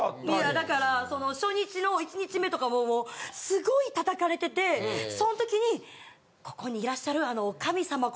いやだから初日の１日目とかもすごい叩かれててその時にここにいらっしゃる。